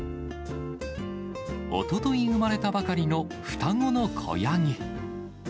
おととい産まれたばかりの双子の子ヤギ。